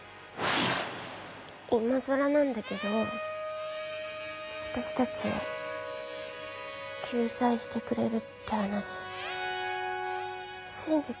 いまさらなんだけどわたしたちを救済してくれるって話信じていいの？